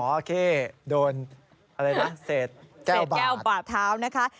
โอเคโสนับเศษแก้วปาดเท้านะคะ